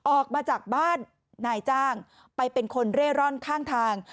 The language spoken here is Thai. ออกมาจากบ้านนายจ้างไปเป็นคนเร่ร่อนข้างทาง